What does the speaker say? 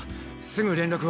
すぐ連絡を。